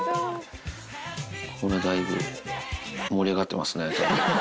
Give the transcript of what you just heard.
これはだいぶ盛り上がってますね。